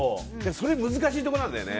それが難しいところなんだよね。